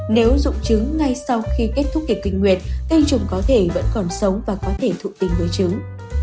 nếu dụng chứng ngay sau khi kết thúc kỷ kinh nguyệt tình trùng có thể vẫn còn sống và có thể thụ tinh với chứng